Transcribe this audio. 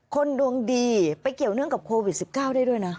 คนดวงดีไปเกี่ยวเนื่องกับโควิด๑๙ได้ด้วยนะ